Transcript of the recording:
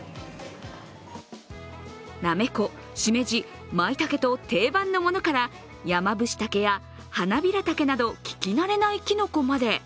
なめこ、しめじ、まいたけと定番のものからやまぶし茸やハナビラ茸など聞き慣れないきのこまで。